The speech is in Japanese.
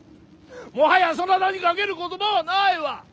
もはやそなたにかける言葉はないわ。